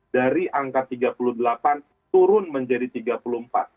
dari angka tiga puluh delapan turun menjadi tiga puluh empat